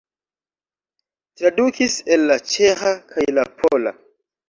Tradukis el la ĉeĥa kaj la pola.